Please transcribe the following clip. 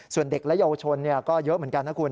ส่วนเด็กและเยาวชนก็เยอะเหมือนกันนะคุณ